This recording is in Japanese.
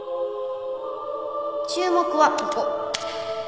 注目はここ。